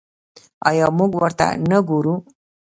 آیا موږ ورته نه ګورو؟